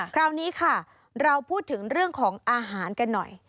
คราวนี้ค่ะเราพูดถึงเรื่องของอาหารกันหน่อย